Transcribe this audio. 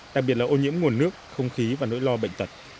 đặc biệt là ô nhiễm nguồn nước không khí và nỗi lo bệnh tật